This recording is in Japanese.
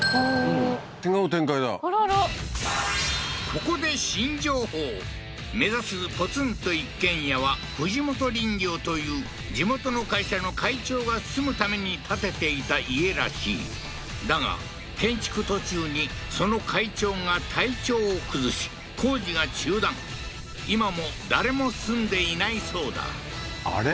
ここで新情報目指すポツンと一軒家はフジモト林業という地元の会社の会長が住むために建てていた家らしいだが建築途中にその会長が体調を崩し工事が中断今も誰も住んでいないそうだあれ？